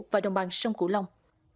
và đồng bằng sông cửu long